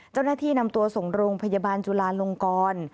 เจ้าหน้าที่นำตัวส่งโรงพยาบาลจุลาลงกร